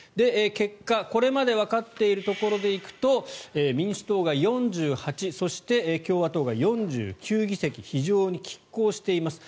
結果、これまでわかっているところでいくと民主党が４８そして共和党が４９議席非常にきっ抗しています。